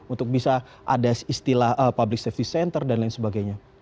untuk bisa ada istilah public safety center dan lain sebagainya